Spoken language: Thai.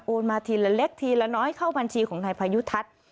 มาทีละเล็กทีละน้อยเข้าบัญชีของนายพายุทัศน์